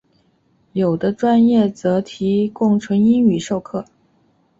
有的专业则提供纯英语授课。